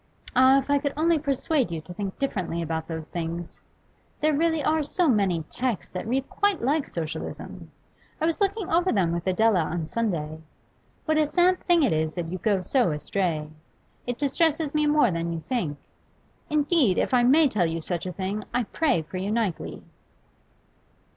Ah, if I could only persuade you to think differently about those things! There really are so many texts that read quite like Socialism; I was looking them over with Adela on Sunday. What a sad thing it is that you go so astray t It distresses me more than you think. Indeed, if I may tell you such a thing, I pray for you nightly.